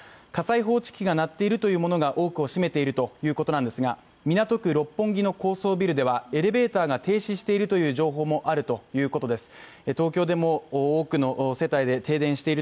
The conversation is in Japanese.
火災報知器が鳴っているというものが多くを占めているということなんですが港区六本木の高層ビルでは、エレベーターが停止しているという情報もあるということです。